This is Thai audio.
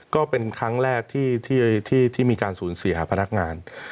ก็เป็นครั้งแรกที่มีการสูญเสียพนักงาน